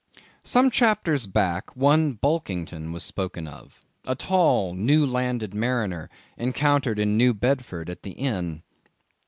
Some chapters back, one Bulkington was spoken of, a tall, newlanded mariner, encountered in New Bedford at the inn.